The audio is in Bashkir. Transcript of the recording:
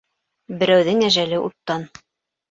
Берәүҙең әжәле уттан